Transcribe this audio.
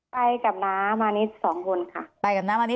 ป้าแม่ไม่ได้ไปค่ะแม่อยู่บ้าน